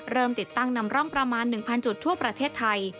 ติดตั้งนำร่องประมาณ๑๐๐จุดทั่วประเทศไทย